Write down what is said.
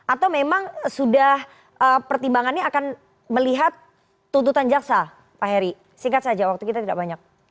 atau memang sudah pertimbangannya akan melihat tuntutan jaksa pak heri singkat saja waktu kita tidak banyak